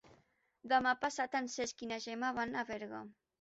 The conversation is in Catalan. Demà passat en Cesc i na Gemma van a Berga.